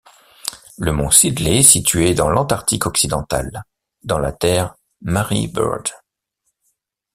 Le mont Sidley est situé dans l'Antarctique occidental, dans la Terre Marie Byrd.